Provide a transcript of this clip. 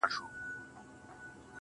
لکه رېل گاډې کرښې داسې منحني پروت يمه~